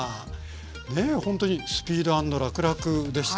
ねえほんとにスピード＆らくらくでしたね。